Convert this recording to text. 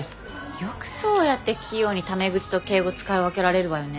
よくそうやって器用にタメ口と敬語使い分けられるわよね。